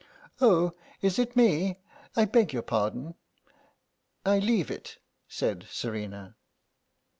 "Oh, is it me? I beg your pardon. I leave it," said Serena.